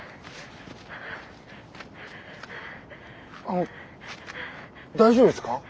あの大丈夫ですか？